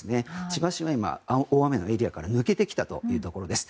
千葉市が今、大雨のエリアから抜けてきたということです。